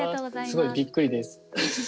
すごいびっくりです。